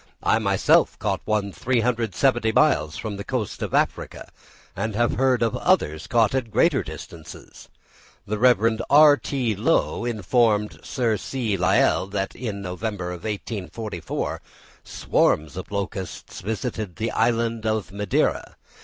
I myself caught one 370 miles from the coast of Africa, and have heard of others caught at greater distances. The Rev. R.T. Lowe informed Sir C. Lyell that in November, 1844, swarms of locusts visited the island of Madeira.